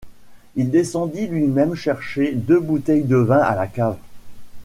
Il descendit lui-même chercher deux bouteilles de vin à la cave.